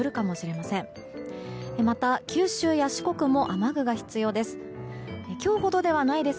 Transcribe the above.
また、九州や四国も雨具が必要です。